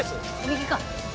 右か。